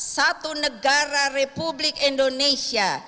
satu negara republik indonesia